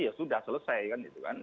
ya sudah selesai kan